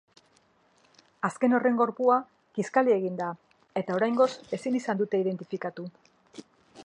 Azken horren gorpua kiskali egin da eta oraingoz ezin izan dute identifikatu.